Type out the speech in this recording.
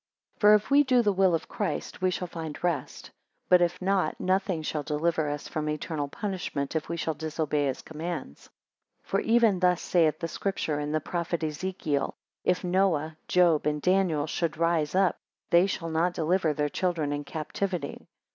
8 For, if we do the will of Christ, we shall find rest: but if not, nothing shall deliver us from eternal punishment if we shall disobey his commands. For even thus saith the Scripture in the prophet Ezekiel, If Noah, Job, and Daniel should rise up, they shall not deliver their children in captivity.